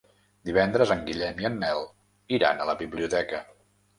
Divendres en Guillem i en Nel iran a la biblioteca.